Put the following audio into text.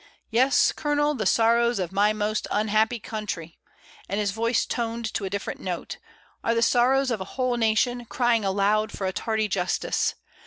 "Yes, Colonel, the sorrows of my most unhappy country," and his voice toned to a different note, "are the sorrows of a whole nation crying aloud for a tardy justice.